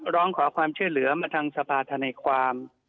ร้องขอความเชื่อเหลือมาทางสภาษณ์ในความ